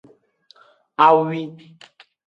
Awi.